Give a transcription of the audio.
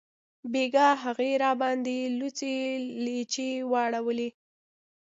بیګاه هغې راباندې لوڅې لیچې واړولې